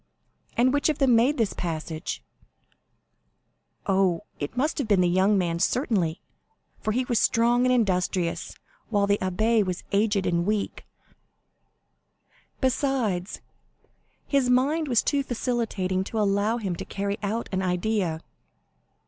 "And which of them made this passage?" "Oh, it must have been the young man, certainly, for he was strong and industrious, while the abbé was aged and weak; besides, his mind was too vacillating to allow him to carry out an idea."